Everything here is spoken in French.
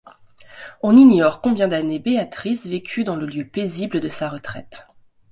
On ignore combien d'années Béatrice vécut dans le lieu paisible de sa retraite.